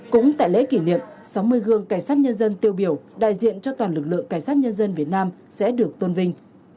cũng tại lễ kỷ niệm sáu mươi gương cảnh sát nhân dân tiêu biểu đại diện cho toàn lực lượng cảnh sát nhân dân việt nam sẽ được tôn vinh